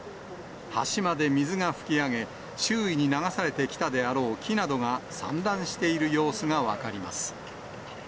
橋まで水が噴き上げ、周囲に流されてきたであろう木などが散乱している様子が分かります。